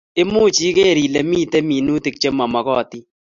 Imuchi iker Ile mitei minutik che momokotin